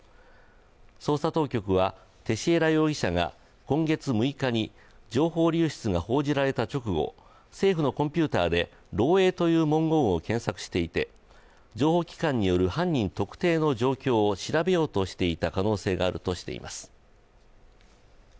捜査当局はテシエラ容疑者が今月６日に、情報流出が報じられた直後、政府のコンピューターで「漏えい」という文言を検索していて情報機関による犯人特定の状況を調べようとしていた可能性があるとしています。